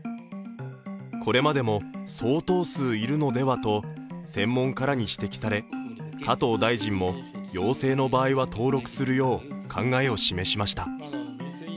これまでも相当数いるのではと専門家らに指摘され、加藤大臣も陽性の場合は登録するよう考えを示しました。